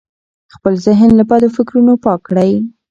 خپل ذهن له بدو فکرونو پاک کړئ.